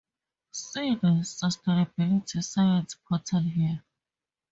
See the Sustainability Science portal here.